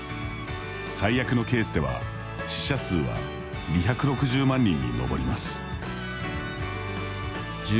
最悪のケースでは死者数は２６０万人に上ります。